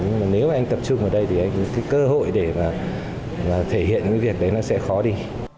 nhưng mà nếu mà anh tập trung vào đây thì cái cơ hội để mà thể hiện cái việc đấy nó sẽ khó đi